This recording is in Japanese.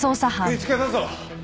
見つけたぞ。